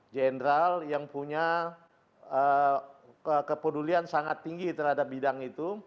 jenderal yang punya kepedulian sangat tinggi terhadap bidang itu